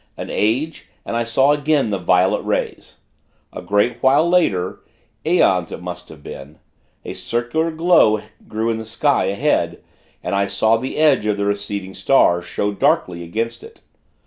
An age, and I saw again the violet rays. A great while later aeons it must have been a circular glow grew in the sky, ahead, and I saw the edge of the receding star, show darkly against it.